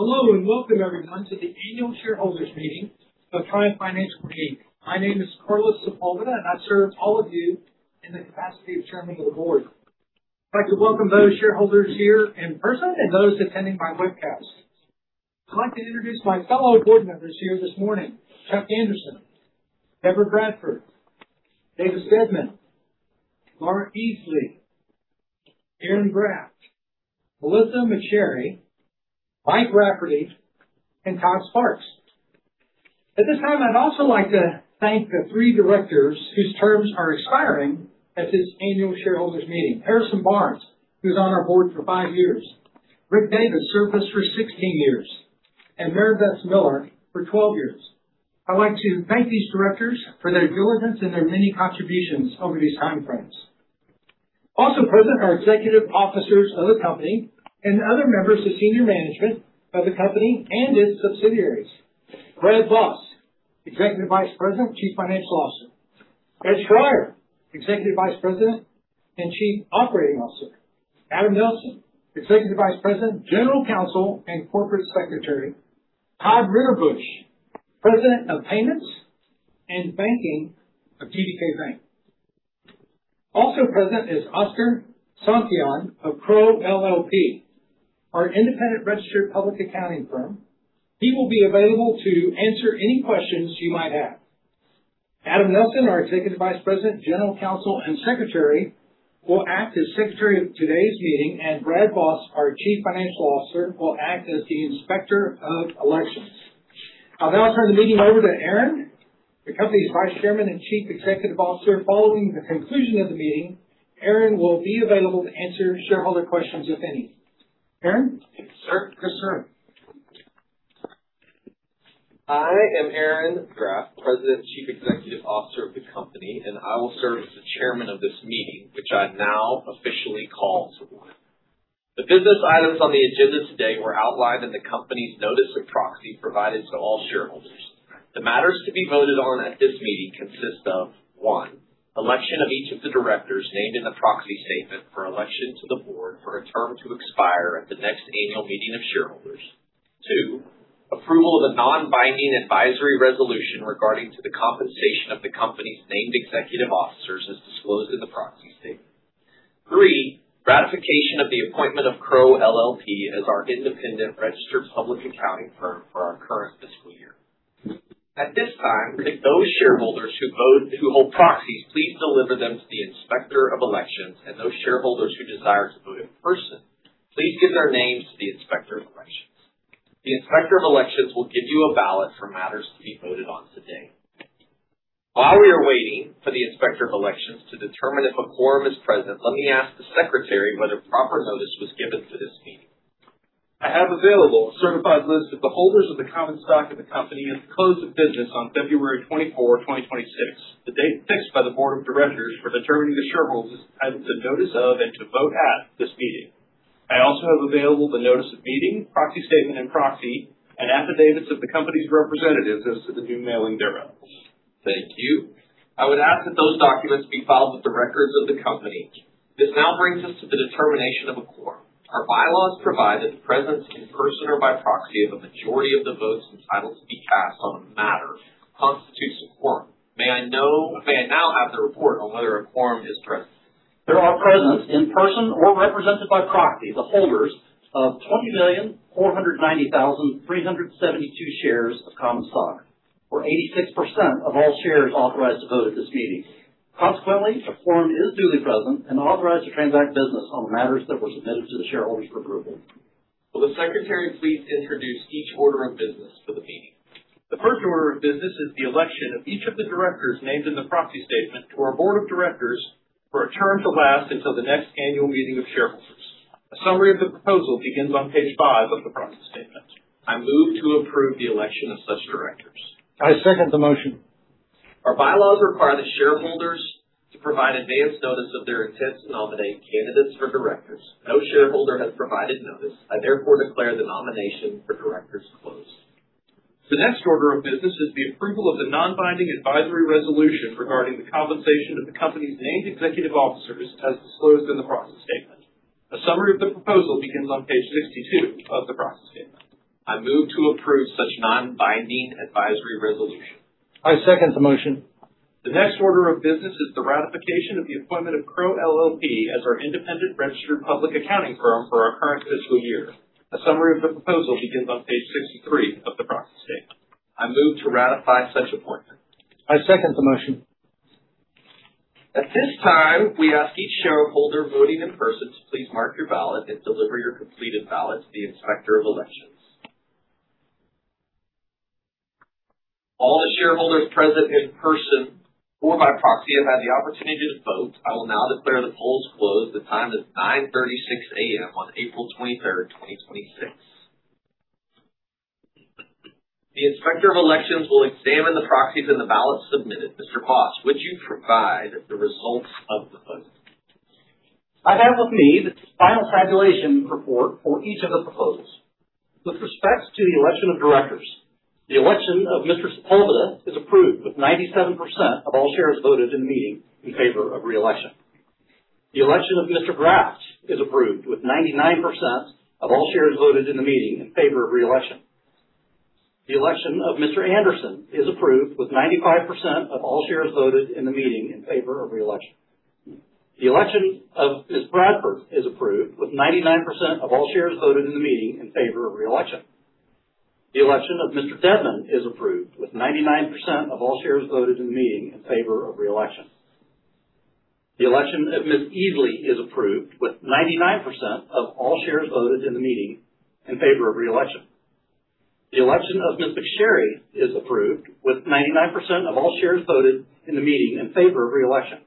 Hello, and welcome everyone to the annual shareholders meeting of Triumph Financial, Inc. My name is Carlos Sepulveda, and I serve all of you in the capacity of Chairman of the Board. I'd like to welcome those shareholders here in person and those attending by webcast. I'd like to introduce my fellow board members here this morning, Chuck Anderson, Debra Bradford, Davis Deadman, Laura Easley, Aaron Graft, Melissa McSherry, Mike Rafferty, and Todd Sparks. At this time, I'd also like to thank the three directors whose terms are expiring at this annual shareholders meeting. Harrison Barnes, who's on our board for five years, Rick Davis, served us for 16 years, and Maribess Miller for 12 years. I'd like to thank these directors for their diligence and their many contributions over these timeframes. Also present are executive officers of the company and other members of senior management of the company and its subsidiaries. Brad Voss, Executive Vice President, Chief Financial Officer. Ed Schreyer, Executive Vice President and Chief Operating Officer. Adam Nelson, Executive Vice President, General Counsel, and Corporate Secretary. Todd Ritterbusch, President of Payments and Banking of TBK Bank. Also present is Oscar Santillan of Crowe LLP, our independent registered public accounting firm. He will be available to answer any questions you might have. Adam Nelson, our Executive Vice President, General Counsel, and Secretary, will act as secretary of today's meeting, and Brad Voss, our Chief Financial Officer, will act as the Inspector of Elections. I'll now turn the meeting over to Aaron, the company's Vice Chairman and Chief Executive Officer. Following the conclusion of the meeting, Aaron will be available to answer shareholder questions, if any. Aaron? Sir. Yes, sir. I am Aaron Graft, President, Chief Executive Officer of the company, and I will serve as the chairman of this meeting, which I now officially call to order. The business items on the agenda today were outlined in the company's notice of proxy provided to all shareholders. The matters to be voted on at this meeting consist of, one, election of each of the directors named in the proxy statement for election to the board for a term to expire at the next annual meeting of shareholders. Two, approval of the non-binding advisory resolution regarding the compensation of the company's named executive officers as disclosed in the proxy statement. Three, ratification of the appointment of Crowe LLP as our independent registered public accounting firm for our current fiscal year. At this time, could those shareholders who hold proxies, please deliver them to the Inspector of Elections, and those shareholders who desire to vote in person, please give their names to the Inspector of Elections. The Inspector of Elections will give you a ballot for matters to be voted on today. While we are waiting for the Inspector of Elections to determine if a quorum is present, let me ask the secretary whether proper notice was given for this meeting. I have available a certified list of the holders of the common stock of the company as of the close of business on February 24, 2026, the date fixed by the board of directors for determining the shareholders entitled to notice of and to vote at this meeting. I also have available the notice of meeting, proxy statement and proxy, and affidavits of the company's representatives as to the due mailing thereof. Thank you. I would ask that those documents be filed with the records of the company. This now brings us to the determination of a quorum. Our bylaws provide that the presence in person or by proxy of a majority of the votes entitled to be cast on the matter constitutes a quorum. May I now have the report on whether a quorum is present? There are present in person or represented by proxy, the holders of 20,490,372 shares of common stock, or 86% of all shares authorized to vote at this meeting. Consequently, a quorum is duly present and authorized to transact business on the matters that were submitted to the shareholders for approval. Will the Secretary please introduce each order of business for the meeting? The first order of business is the election of each of the directors named in the proxy statement to our Board of Directors for a term to last until the next annual meeting of shareholders. A summary of the proposal begins on page 5 of the proxy statement. I move to approve the election of such directors. I second the motion. Our bylaws require the shareholders to provide advance notice of their intent to nominate candidates for directors. No shareholder has provided notice. I therefore declare the nomination for directors closed. The next order of business is the approval of the non-binding advisory resolution regarding the compensation of the company's named executive officers as disclosed in the proxy statement. A summary of the proposal begins on page 62 of the proxy statement. I move to approve such non-binding advisory resolution. I second the motion. The next order of business is the ratification of the appointment of Crowe LLP as our independent registered public accounting firm for our current fiscal year. A summary of the proposal begins on page 63 of the proxy statement. I move to ratify such appointment. I second the motion. At this time, we ask each shareholder voting in person to please mark your ballot and deliver your completed ballot to the Inspector of Elections. All the shareholders present in person or by proxy have had the opportunity to vote. I will now declare the polls closed. The time is 9:36 A.M. on April 23, 2026. The Inspector of Elections will examine the proxies and the ballots submitted. Mr. Voss, would you provide the results of the voting? I have with me the final tabulation report for each of the proposals. With respect to the election of directors, the election of Mr. Sepulveda is approved with 97% of all shares voted in the meeting in favor of re-election. The election of Mr. Graft is approved with 99% of all shares voted in the meeting in favor of re-election. The election of Mr. Anderson is approved with 95% of all shares voted in the meeting in favor of re-election. The election of Ms. Bradford is approved with 99% of all shares voted in the meeting in favor of re-election. The election of Mr. Deadman is approved with 99% of all shares voted in the meeting in favor of re-election. The election of Ms. Easley is approved with 99% of all shares voted in the meeting in favor of re-election. The election of Ms. McSherry is approved with 99% of all shares voted in the meeting in favor of re-election.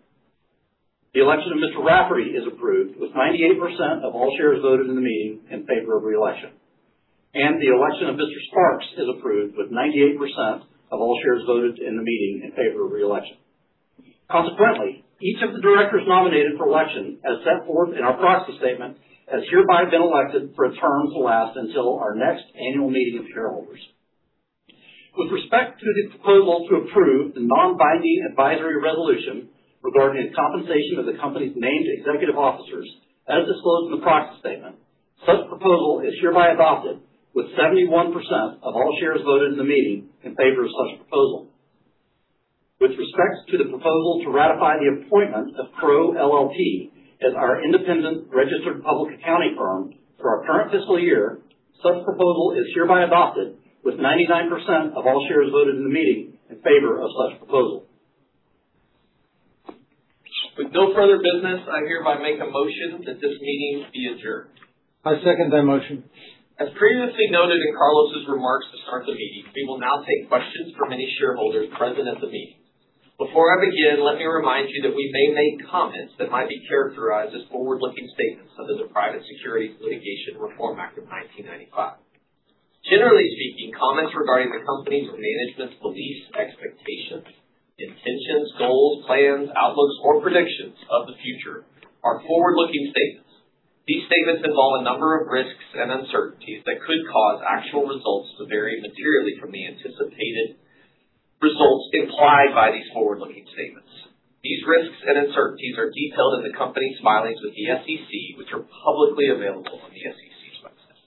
The election of Mr. Rafferty is approved with 98% of all shares voted in the meeting in favor of re-election. The election of Mr. Sparks is approved with 98% of all shares voted in the meeting in favor of re-election. Consequently, each of the directors nominated for election, as set forth in our proxy statement, has hereby been elected for a term to last until our next annual meeting of shareholders. With respect to the proposal to approve the non-binding advisory resolution regarding the compensation of the company's named executive officers, as disclosed in the proxy statement, such proposal is hereby adopted with 71% of all shares voted in the meeting in favor of such proposal. With respect to the proposal to ratify the appointment of Crowe LLP as our independent registered public accounting firm for our current fiscal year, such proposal is hereby adopted with 99% of all shares voted in the meeting in favor of such proposal. With no further business, I hereby make a motion that this meeting be adjourned. I second that motion. As previously noted in Carlos's remarks to start the meeting, we will now take questions from any shareholders present at the meeting. Before I begin, let me remind you that we may make comments that might be characterized as forward-looking statements under the Private Securities Litigation Reform Act of 1995. Generally speaking, comments regarding the company's or management's beliefs, expectations, intentions, goals, plans, outlooks, or predictions of the future are forward-looking statements. These statements involve a number of risks and uncertainties that could cause actual results to vary materially from the anticipated results implied by these forward-looking statements. These risks and uncertainties are detailed in the company's filings with the SEC, which are publicly available on the SEC's website.